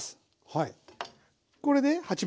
はい。